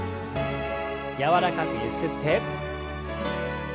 柔らかくゆすって。